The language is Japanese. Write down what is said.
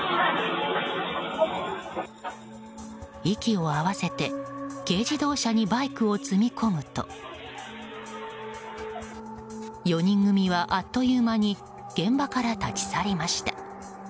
息を合わせて軽自動車にバイクを積み込むと４人組はあっという間に現場から立ち去りました。